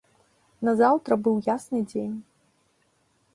Назаўтра быў ясны дзень.